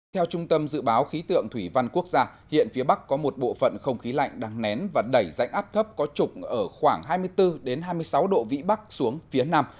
theo trung tâm dự báo khí tượng thủy văn quốc gia hiện phía bắc có một bộ phận không khí lạnh đang nén và đẩy rãnh áp thấp có trục ở khoảng hai mươi bốn hai mươi sáu độ vĩ bắc xuống phía nam